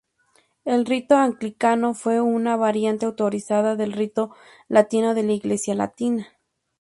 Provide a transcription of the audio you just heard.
El rito anglicano fue una variante autorizada del rito latino de la iglesia latina.